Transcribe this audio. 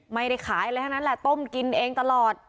ไม่ได้ขายอะไรทั้งนั้นแหละต้มกินเองตลอด